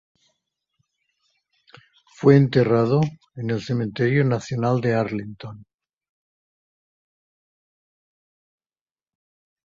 Fue enterrado en el cementerio nacional de Arlington.